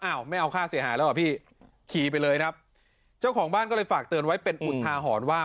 ไม่เอาค่าเสียหายแล้วเหรอพี่ขี่ไปเลยครับเจ้าของบ้านก็เลยฝากเตือนไว้เป็นอุทาหรณ์ว่า